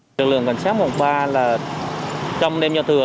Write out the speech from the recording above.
lực lượng cảnh sát quận ba là trong đêm giao thừa